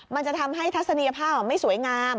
มันจะทำให้ทัศนียภาพไม่สวยงาม